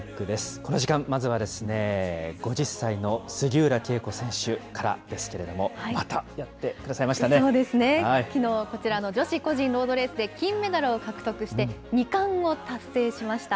この時間まずは、５０歳の杉浦佳子選手からですけれども、またやってくださいましそうですね、きのう、こちらの女子個人ロードレースで金メダルを獲得して、２冠を達成しました。